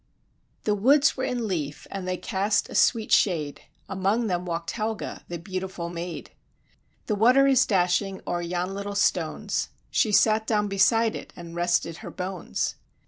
The woods were in leaf, and they cast a sweet shade; Among them walk'd Helga, the beautiful maid. The water is dashing o'er yon little stones; She sat down beside it, and rested her bones.